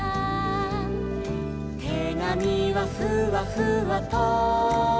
「てがみはふわふわと」